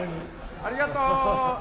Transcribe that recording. ありがとう！